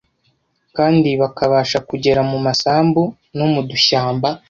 kandi bakabasha kugera mu masambu no mu dushyamba